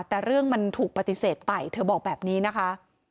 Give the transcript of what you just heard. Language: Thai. แต่เรื่องมันถูกปฏิเสธไปเธอบอกแบบนี้นะคะ